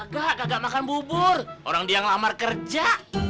gak gak makan bubur orang dia ngelamar kerja